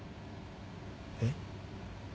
えっ？